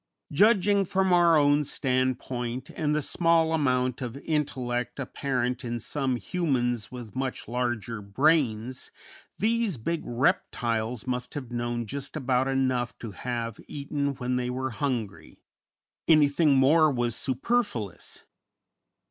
Judging from our own standpoint and the small amount of intellect apparent in some humans with much larger brains, these big reptiles must have known just about enough to have eaten when they were hungry, anything more was superfluous.